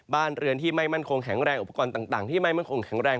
บ้านเรือนที่ไม่มั่นคงแข็งแรงอุปกรณ์ต่างที่ไม่มั่นคงแข็งแรง